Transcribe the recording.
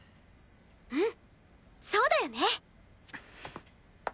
うんそうだよね。